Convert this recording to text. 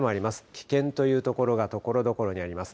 危険という所がところどころにあります。